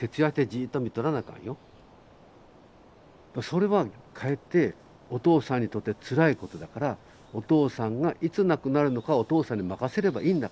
それはかえってお父さんにとってつらいことだからお父さんがいつ亡くなるのかはお父さんに任せればいいんだから。